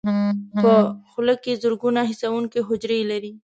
په خوله کې زرګونه حسونکي حجرې لري.